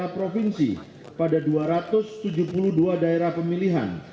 pada dua ratus tujuh puluh dua daerah pemilihan